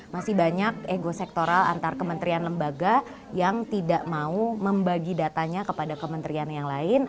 masih banyak ego sektoral antar kementerian lembaga yang tidak mau membagi datanya kepada kementerian yang lain